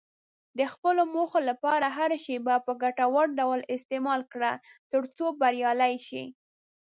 د خپلو موخو لپاره هره شېبه په ګټور ډول استعمال کړه، ترڅو بریالی شې.